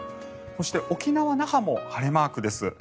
そして、沖縄・那覇も晴れマークです。